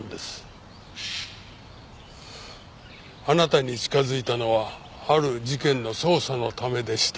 あなたに近づいたのはある事件の捜査のためでした。